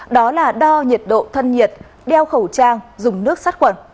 đó là đo nhiệt độ thân nhiệt đeo khẩu trang dùng nước sát khuẩn